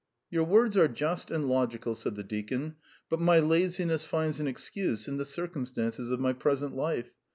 "Your words are just and logical," said the deacon. "But my laziness finds an excuse in the circumstances of my present life.